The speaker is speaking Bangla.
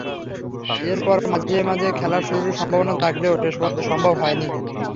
এরপর মাঝে মাঝে খেলা শুরুর সম্ভাবনা জাগলেও শেষ পর্যন্ত সম্ভব হয়নি।